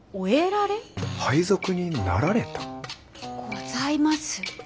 「ございます」？